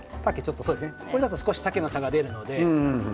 これだと少し丈の差が出るので。